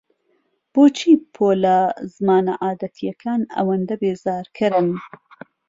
بۆچی پۆلە زمانە عادەتییەکان ئەوەندە بێزارکەرن؟